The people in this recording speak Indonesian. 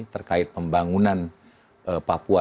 terkait pembangunan papua